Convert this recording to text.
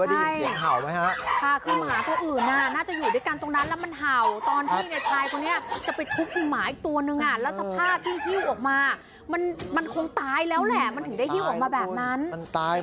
นี่จ้างเนี่ย